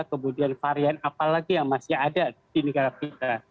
kemudian varian apalagi yang masih ada di negara kita